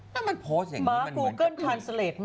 ก็มันโพสต์อย่างนี้มันเหมือนกัน